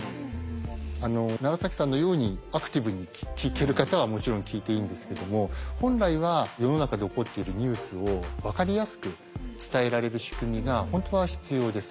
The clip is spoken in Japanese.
奈良さんのようにアクティブに聞ける方はもちろん聞いていいんですけども本来は世の中で起こっているニュースをわかりやすく伝えられる仕組みが本当は必要です。